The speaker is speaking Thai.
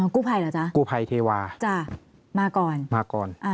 กู้ไพ่เหรอจ๊ะกู้ไพ่เทวามาก่อนมาก่อน